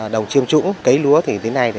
đồng chiêm trũng cấy lúa thì đến nay